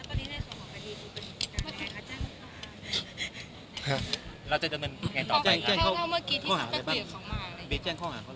ครับเราจะจำเป็นยังไงต่อไปครับเขาเกี่ยวเมื่อกี้ที่จะเปลี่ยนของมาร์ดบีชแจ้งข้องหาเขาอะไรบ้าง